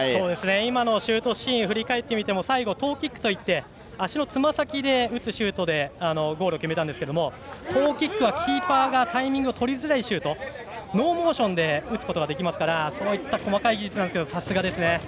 今のシュートシーンを振り返ってみても最後、トウキックといって足のつま先で打つシュートでゴールを決めましたがトーキックはキーパーがタイミングを取りづらくてノーモーションで打つことができますから細かい技術なんですけどさすがですね。